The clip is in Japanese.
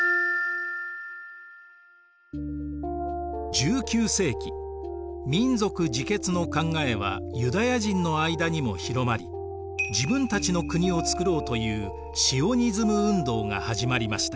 １９世紀民族自決の考えはユダヤ人の間にも広まり自分たちの国をつくろうというシオニズム運動が始まりました。